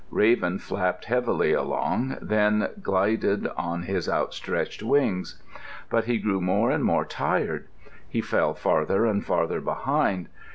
Raven flapped heavily along, then glided on his outstretched wings. But he grew more and more tired. He fell farther and farther behind.